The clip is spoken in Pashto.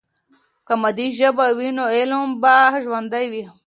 که مادي ژبه وي، نو علم به ژوندۍ وي.